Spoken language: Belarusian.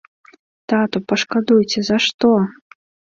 Тату, пашкадуйце, за што?